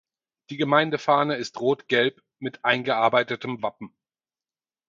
Die Gemeindefahne ist Rot-Gelb mit eingearbeitetem Wappen.